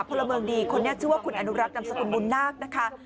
พลเมืองดีคนนี้ชื่อว่าคุณอนุรักษ์นำสกุลบุญนาคนะคะ